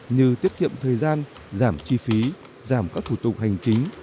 như tiết kiệm thời gian giảm chi phí giảm các thủ tục hành chính